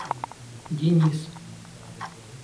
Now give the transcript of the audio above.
Денис